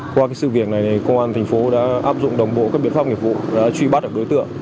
qua sự việc này công an thành phố đã áp dụng đồng bộ các biện pháp nghiệp vụ đã truy bắt được đối tượng